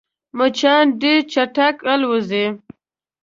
مچان ډېر چټک الوزي